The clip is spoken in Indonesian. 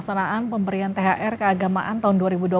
pelaksanaan pemberian thr keagamaan tahun dua ribu dua puluh